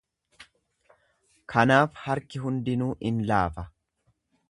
Kanaaf harki hundinuu in laafa.